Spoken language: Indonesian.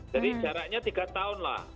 jadi jaraknya tiga tahun